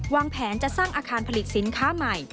วางแผนจะสร้างอาคารผลิตสินค้าใหม่